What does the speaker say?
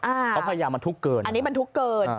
อ่าเค้าพยายามมาทุกข์เกินอันนี้มันทุกข์เกิน